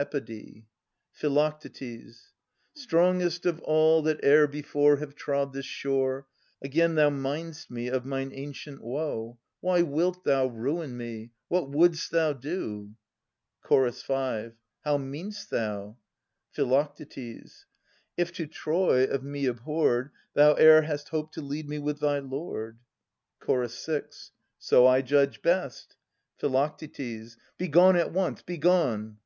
Epode. Phi. Kindest of all that ^er before Have trod this shore, Again thou mind'st me of mine ancient woe ! Why wilt thou ruin me ? What wouldst thou do ? Ch. 5. How mean'st thou ? Phi. If to Troy, of me abhorred. Thou e'er hast hoped to lead me with thy lord. Ch. 6. So I judge best. Phi. Begone at once, begone!